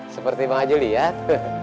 seperti bang ajo liat